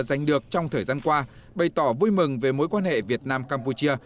giành được trong thời gian qua bày tỏ vui mừng về mối quan hệ việt nam campuchia